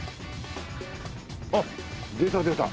あっ出た出た。